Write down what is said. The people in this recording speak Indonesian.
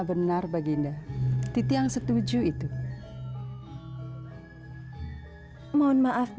menurut tiang pemuda buruk rupa ini